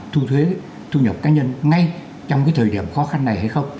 thu thuế thu nhập cá nhân ngay trong cái thời điểm khó khăn này hay không